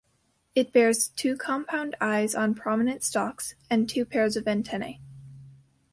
It bears two compound eyes on prominent stalks, and two pairs of antennae.